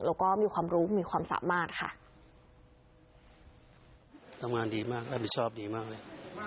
แล้วก็มีความรู้มีความสามารถค่ะทำงานดีมากรับผิดชอบดีมากเลย